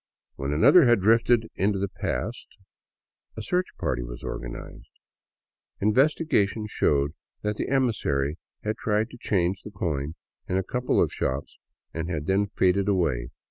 When an other had drifted into the past, a search, party was organized. In vestigation showed that the emissary had tried to change the coin in a couple of shops, and had then faded away.